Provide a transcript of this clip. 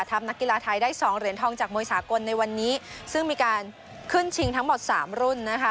นักกีฬาไทยได้สองเหรียญทองจากมวยสากลในวันนี้ซึ่งมีการขึ้นชิงทั้งหมดสามรุ่นนะคะ